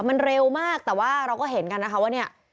มันเร็วมากแต่ว่าเราก็เห็นกันนะคะว่าเนี่ย